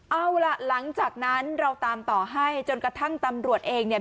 เอาล่ะหลังจากนั้นเราตามต่อให้จนกระทั่งตำรวจเองเนี่ย